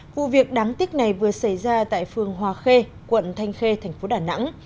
vụ việc đáng tiếc này vừa xảy ra tại phường hòa khê quận thanh khê tp đà nẵng